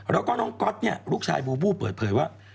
แล้วก็น้องก๊อตเนี่ยลูกชายบูบูเปิดเผยว่า